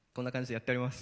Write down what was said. やっております。